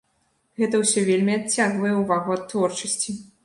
Гэта ўсё вельмі адцягвае ўвагу ад творчасці.